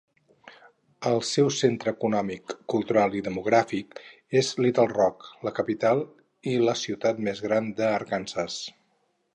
El seu centre econòmic, cultural i demogràfic és Little Rock, la capital i la ciutat més gran d'Arkansas.